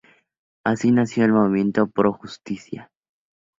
Así nació el Movimiento Pro Justicia.